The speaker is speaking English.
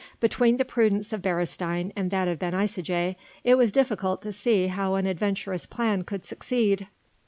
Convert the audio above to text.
Between the prudence of Beresteyn and that of Ben Isaje, it was difficult to see how an adventurous plan could succeed.